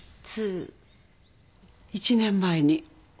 １年前に。